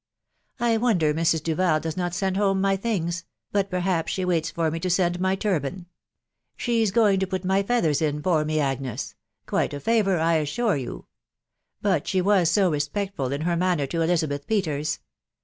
I wonder Mrs. Duval does not send borne my things but perhaps she waits for me tO'Sendmy turban, &he*s going to put my feathers in for me, Agnes,— <juite afavesnr, I assure you ;.... but 'the was «o Respectful in her manner *o Eliza beth 'Peters.